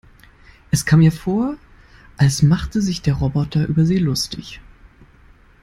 Es kam ihr vor, als machte sich der Roboter über sie lustig.